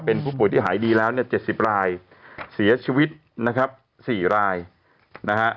เป็นผู้ป่วยที่หายดีแล้วเนี่ย๗๐รายเสียชีวิตนะครับ๔รายนะฮะ